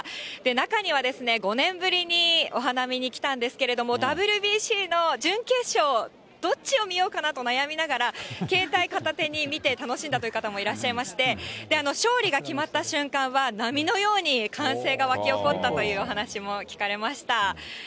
中には、５年ぶりにお花見に来たんですけれども、ＷＢＣの準決勝、どっちを見ようかなと悩みながら、携帯片手に見て楽しんだという方もいらっしゃいまして、勝利が決まった瞬間は、波のように歓声が沸き起こったというお話も聞かれました。